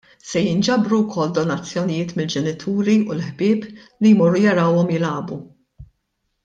Se jinġabru wkoll donazzjonijiet mill-ġenituri u l-ħbieb li jmorru jarawhom jilagħbu.